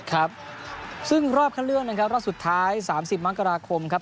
ครับซึ่งรอบคันเลือกนะครับรอบสุดท้าย๓๐มกราคมครับ